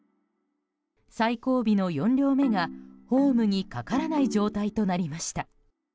最後尾の４両目がホームにかからない状態となりました。